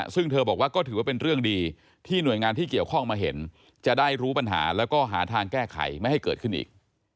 ซึ่งเธอบอกว่าก็ถือว่าเป็นเรื่องดีที่หน่วยงานที่เกี่ยวข้องมาเห็นจะได้รู้ปัญหาแล้วก็หาทางแก้ไขไม่ให้เกิดขึ้นอีก